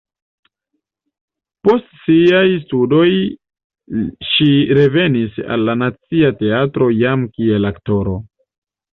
Post siaj studoj ŝi revenis al la Nacia Teatro jam kiel aktoro.